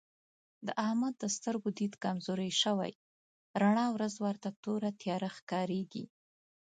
د احمد د سترګو دید کمزوری شوی رڼا ورځ ورته توره تیاره ښکارېږي.